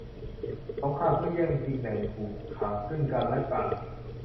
สงครามเพื่อแย่งชิงแหล่งผูกขาดซึ่งกันและกัน